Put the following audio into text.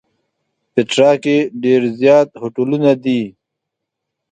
پېټرا کې ډېر زیات هوټلونه دي.